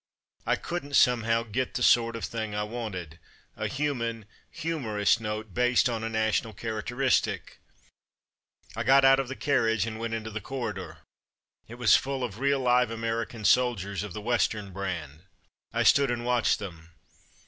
I couldn't somehow get the sort of thing I wanted — a viii Preface to the American Edition human humorous note, based on a national characteristic. I got out of the carriage and went into the corridor. It was full of real live American soldiers of the Western brand. I stood and watched them.